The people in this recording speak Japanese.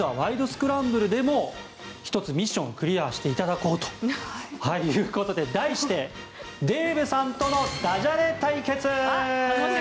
スクランブル」でも１つ、ミッションをクリアしていただこうということで題してデーブさんとのダジャレ対決！